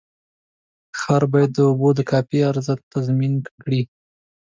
ښار باید د اوبو د کافي عرضه تضمین کړي.